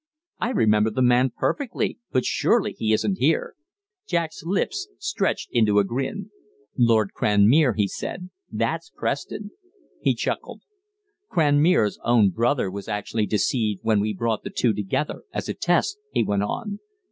"I remember the man perfectly, but surely he isn't here." Jack's lips stretched into a grin. "'Lord Cranmere,'" he said. "That's Preston!" He chuckled. "Cranmere's own brother was actually deceived when we brought the two together, as a test," he went on.